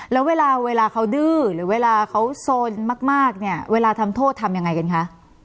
แล้วเวลาเวลาเขาดื้อหรือเวลาเขาโซนมากเนี่ยเวลาทำโทษทำยังไงกันคะ